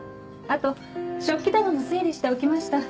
あと食器棚も整理しておきました。